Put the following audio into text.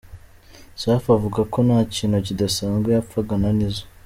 Safi avuga ko nta kintu kidasanzwe yapfaga na Nizzo.